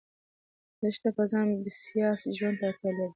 دښته په ځان بسیا ژوند ته اړتیا لري.